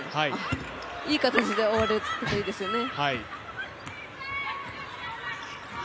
いい形で終われたらいいですよね。